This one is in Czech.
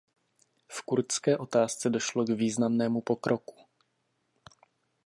V kurdské otázce došlo k významnému pokroku.